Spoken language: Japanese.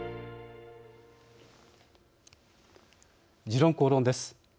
「時論公論」です。